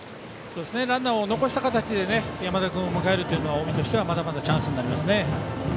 ランナーを残した形で山田君を迎えるというのは近江としてはまだまだチャンスになりますね。